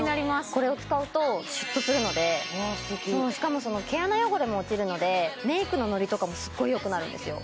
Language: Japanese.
これを使うとシュッとするので素敵しかも毛穴汚れも落ちるのでメイクのノリとかもすっごいよくなるんですよ